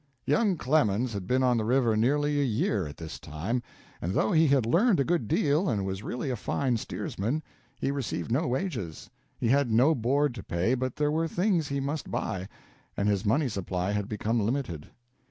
Young Clemens had been on the river nearly a year at this time, and, though he had learned a good deal and was really a fine steersman, he received no wages. He had no board to pay, but there were things he must buy, and his money supply had become limited.